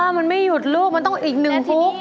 มันไม่หยุดลูกมันต้องอีกหนึ่งฟุก